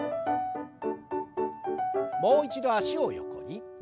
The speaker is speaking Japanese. もう一度脚を横に。